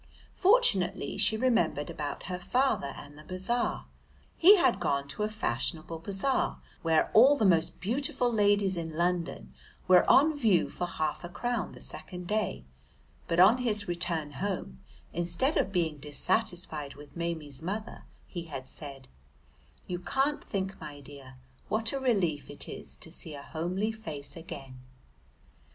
Fortunately she remembered about her father and the bazaar. He had gone to a fashionable bazaar where all the most beautiful ladies in London were on view for half a crown the second day, but on his return home instead of being dissatisfied with Maimie's mother he had said, "You can't think, my dear, what a relief it is to see a homely face again."